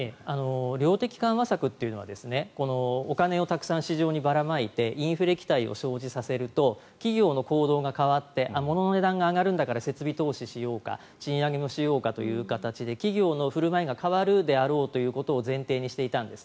量的緩和策というのはお金をたくさん市場にばらまいてインフレ期待を生じさせると企業の行動が変わって物の値段が上がるんだから設備投資しようか賃上げもしようかという形で企業の振る舞いが変わるであろうということを前提にしていたんです。